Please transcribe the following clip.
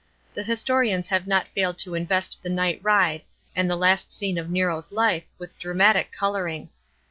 The historians have not failed to invest the night ride and the last scene of Nero's life with dramatic colouring.